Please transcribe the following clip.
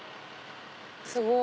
すごい。